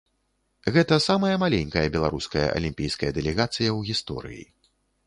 Гэта самая маленькая беларуская алімпійская дэлегацыя ў гісторыі.